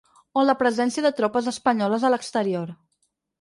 O la presència de tropes espanyoles a l’exterior.